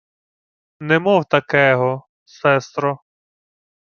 — Не мов такего, сестро.